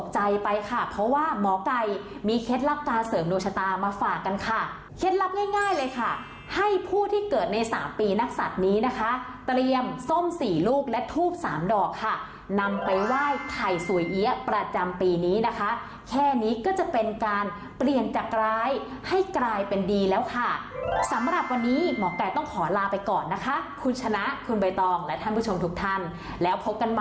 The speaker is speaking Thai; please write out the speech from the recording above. ใจไปค่ะเพราะว่าหมอไก่มีเคล็ดลับการเสริมดวงชะตามาฝากกันค่ะเคล็ดลับง่ายเลยค่ะให้ผู้ที่เกิดในสามปีนักศัตริย์นี้นะคะเตรียมส้มสี่ลูกและทูบสามดอกค่ะนำไปไหว้ไข่สวยเอี๊ยะประจำปีนี้นะคะแค่นี้ก็จะเป็นการเปลี่ยนจากร้ายให้กลายเป็นดีแล้วค่ะสำหรับวันนี้หมอไก่ต้องขอลาไปก่อนนะคะคุณชนะคุณใบตองและท่านผู้ชมทุกท่านแล้วพบกันมา